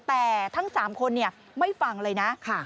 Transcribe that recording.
แต่ทั้ง๓คนไม่ฟังเลยนะ